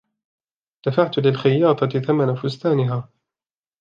دفعت للخياطة ثمن فستانها.